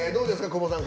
久保さん